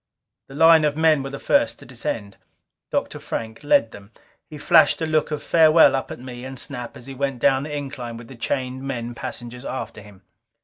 The line of men were first to descend. Dr. Frank led them. He flashed a look of farewell up at me and Snap as he went down the incline with the chained men passengers after him.